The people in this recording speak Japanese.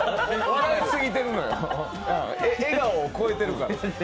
笑いすぎてんのよ、笑顔を超えてるから。